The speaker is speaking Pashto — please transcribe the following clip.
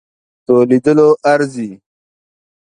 په لیدلو ارزي.